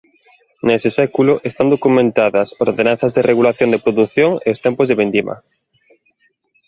Nese século están documentadas ordenanzas de regulación da produción e os tempos de vendima.